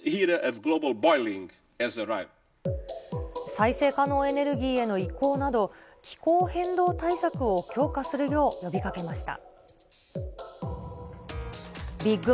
再生可能エネルギーへの移行など、気候変動対策を強化するよう呼びかけました。